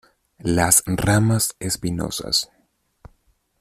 Las ramas espinosas.